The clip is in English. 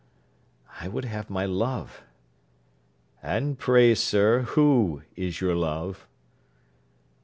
'I would have my love.' 'And pray, sir, who is your love?'